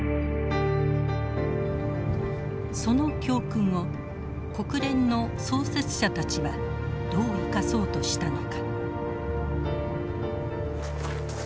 その教訓を国連の創設者たちはどう生かそうとしたのか。